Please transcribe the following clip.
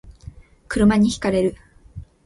車に轢かれる